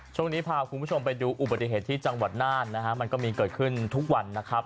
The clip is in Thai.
ช่วงนี้พาคุณผู้ชมไปดูอุบัติเหตุที่จังหวัดน่านนะฮะมันก็มีเกิดขึ้นทุกวันนะครับ